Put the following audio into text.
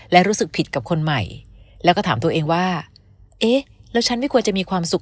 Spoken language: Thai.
และรู้สึกผิดกับคนใหม่แล้วก็ถามตัวเองว่าเอ๊ะแล้วฉันไม่ควรจะมีความสุข